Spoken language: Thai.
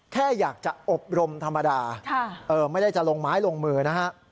แค่อยากจะอบรมธรรมดาไม่ได้จะลงไม้ลงมือนะฮะ